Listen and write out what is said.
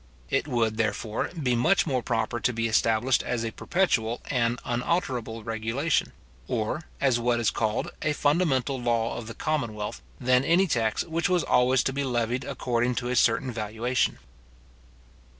It would, therefore, be much more proper to be established as a perpetual and unalterable regulation, or as what is called a fundamental law of the commonwealth, than any tax which was always to be levied according to a certain valuation.